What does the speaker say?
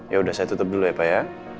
ya udah saya tutup dulu ya pak ya